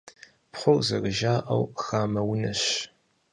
Пхъур, зэрыжаӀэу, хамэ унэщ.